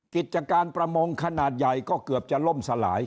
กิจการประมงขนาดใหญ่ก็เกือบจะล่มสลาย